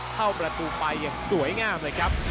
เข้าประตูไปอย่างสวยงาม